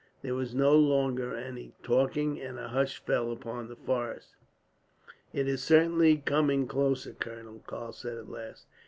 There was no longer any talking, and a hush fell upon the forest. "It is certainly coming closer, colonel," Karl said at last.